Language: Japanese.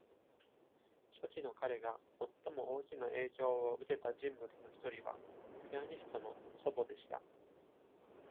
初期の彼が最も大きな影響を受けた人物のひとりは、ピアニストの祖母でした。